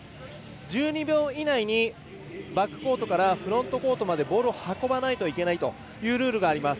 １２秒以内にバックコートからフロントコートまでボールを運ばないといけないというルールがあります。